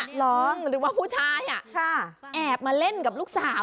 ร้องหรือว่าผู้ชายแอบมาเล่นกับลูกสาว